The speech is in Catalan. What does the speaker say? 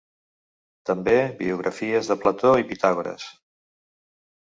També biografies de Plató i Pitàgores.